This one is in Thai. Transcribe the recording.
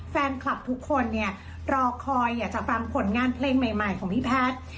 แฟนคลับทุกคนเนี่ยรอคอยอยากจะฟังผลงานเพลงใหม่ของพี่แพทย์